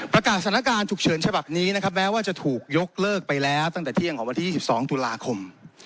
สถานการณ์ฉุกเฉินฉบับนี้นะครับแม้ว่าจะถูกยกเลิกไปแล้วตั้งแต่เที่ยงของวันที่๒๒ตุลาคม